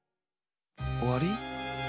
おわり？